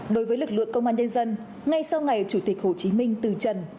đối với lực lượng công an nhân dân ngay sau ngày chủ tịch hồ chí minh từ trần